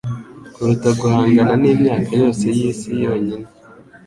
kuruta guhangana n'imyaka yose y'isi yonyine